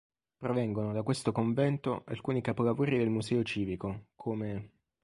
Provengono da questo convento alcuni capolavori del Museo civico, come